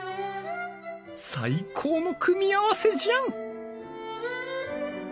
最高の組み合わせじゃん！